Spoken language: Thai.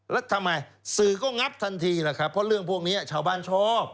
แล้วทำไมสื่อก็งับทันทีล่ะครับเพราะเรื่องพวกนี้ชาวบ้านชอบ